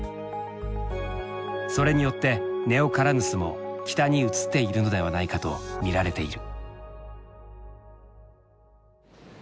それによってネオカラヌスも北に移っているのではないかと見られている。